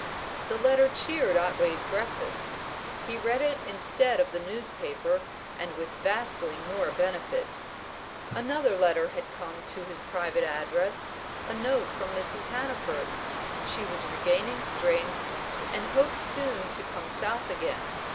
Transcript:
The letter cheered Otway's breakfast; he read it instead of the newspaper, and with vastly more benefit. Another letter had come to his private address, a note from Mrs. Hannaford. She was regaining strength, and hoped soon to come South again.